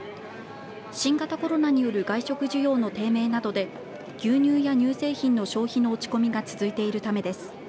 新型コロナによる外食需要の低迷などで牛乳や乳製品の消費の落ち込みが続いているためです。